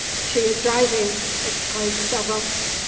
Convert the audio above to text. she is driving!" exclaimed several.